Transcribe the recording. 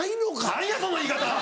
何やその言い方！